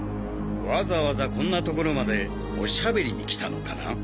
わざわざこんな所までおしゃべりに来たのかな？